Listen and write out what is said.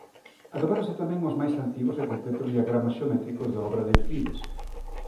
Atopáronse tamén os máis antigos e completos diagramas xeométricos da obra de Euclides.